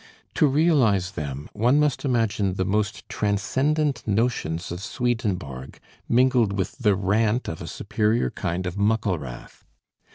To realize them, one must imagine the most transcendent notions of Swedenborg mingled with the rant of a superior kind of Mucklewrath.